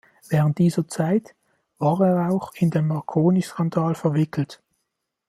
Während dieser Zeit war er auch in den Marconi-Skandal verwickelt.